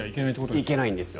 いけないんですよ。